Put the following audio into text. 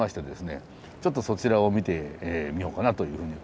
ちょっとそちらを見てみようかなというふうに思っております。